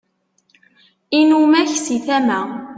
inumak si tama